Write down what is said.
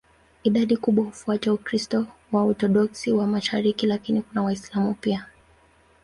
Idadi kubwa hufuata Ukristo wa Waorthodoksi wa mashariki, lakini kuna Waislamu pia.